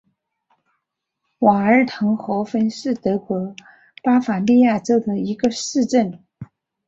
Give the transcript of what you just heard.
瓦尔滕霍芬是德国巴伐利亚州的一个市镇。